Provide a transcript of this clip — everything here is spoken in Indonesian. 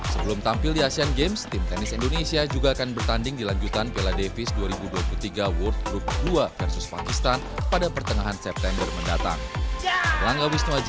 sebelum tampil di asean games tim tenis indonesia juga akan bertanding di lanjutan piala davis dua ribu dua puluh tiga world group dua versus pakistan pada pertengahan september mendatang